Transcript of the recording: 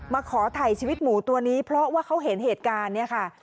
มาขอถ่ายชีวิตหมูตัวนี้เพราะว่าเขาเห็นเหตุการณ์เนี่ยค่ะ